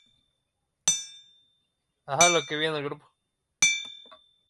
Hay un flujo en el universo que se llama tao.